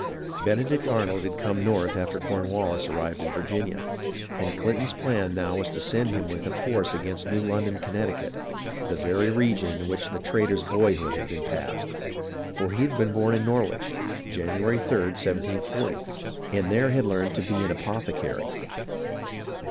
Benedict Arnold had come north after Cornwallis had arrived in Virginia, and Clinton's plan now was to send him with a force against New London, Connecticut, the very region in which the traitor's boyhood had been passed, for he had been born in Norwich (Connecticut), January '3d, 1740, and there had learned to be an "apothe cary."